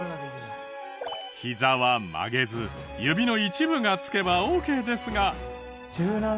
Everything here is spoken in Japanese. ヒザは曲げず指の一部がつけばオーケーですが。